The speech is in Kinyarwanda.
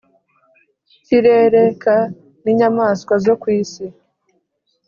Kirere k n inyamaswa zo ku isi